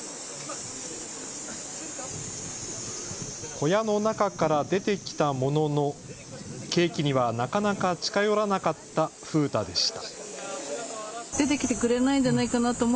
小屋の中から出て来たもののケーキにはなかなか近寄らなかった風太でした。